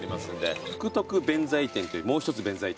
福徳弁財天というもう１つ弁財天があります。